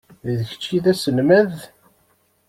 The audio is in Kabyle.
D kečč i d aselmad.